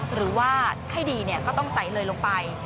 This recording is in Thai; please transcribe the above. หรือว่าให้ดีก็ต้องใส่เลยลงไป